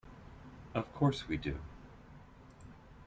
Of course we do.